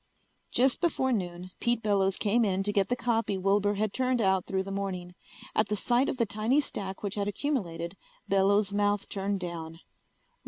Just before noon Pete Bellows came in to get the copy Wilbur had turned out through the morning. At the sight of the tiny stack which had accumulated Bellows' mouth turned down.